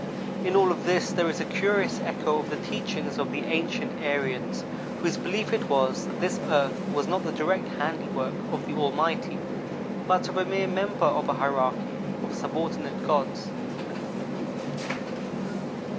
In all of this there is a curious echo of the teachings of the ancient Aryans, whose belief it was that this earth was not the direct handiwork of the Almighty, but of a mere member of a hierarchy of subordinate gods.